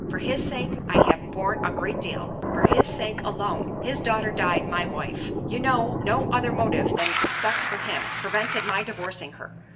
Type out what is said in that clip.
For his sake I have borne a great deal—for his sake alone, his daughter died my wife. You know, no other motive than respect for him, prevented my divorcing her.